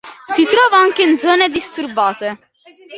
Si trova anche in zone disturbate.